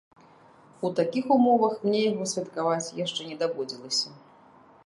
У такіх умовах мне яго святкаваць яшчэ не даводзілася.